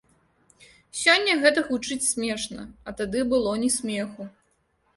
Сёння гэта гучыць смешна, а тады было не смеху.